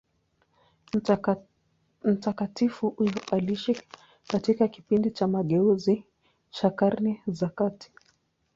Mtakatifu huyo aliishi katika kipindi cha mageuzi cha Karne za kati.